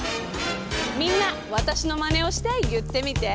みんなわたしのまねをしていってみて！